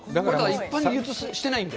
一般に流通してないんで。